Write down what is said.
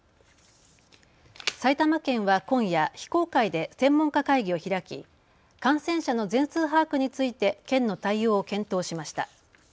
埼玉県は今夜、非公開で専門家会議を開き感染者の全数把握について県の対応を検討しました。